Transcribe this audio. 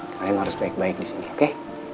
kalian harus baik baik di sini oke